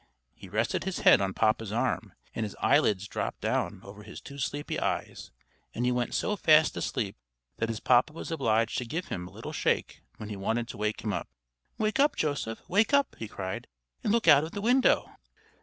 He rested his head on papa's arm, and his eyelids dropped down over his two sleepy eyes, and he went so fast asleep that his papa was obliged to give him a little shake when he wanted to wake him up. "Wake up, Joseph! wake up!" he cried, "and look out of the window!"